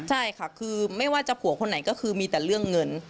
ใช่ค่ะคือไม่ว่าจะผัวคนไหนก็คือมีแต่เรื่องเงิน